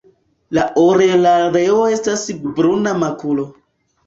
La orelareo estas bruna makulo.